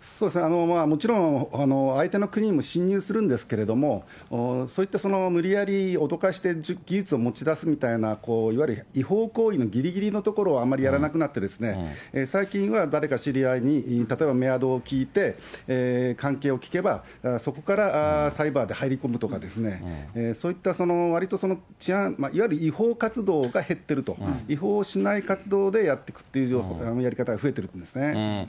そうですね、もちろん、相手の国にも侵入するんですけれども、そういった無理やり脅かして技術を持ち出すみたいな、いわゆる違法行為ぎりぎりのところはあまりやらなくなって、最近は誰か知り合いに、例えばメアドを聞いて、関係を聞けば、そこから、サイバーで入り込むとかですね、そういったわりとその治安、いわゆる違法活動が減ってると、違法しない活動でやってくというやり方が増えているというんですね。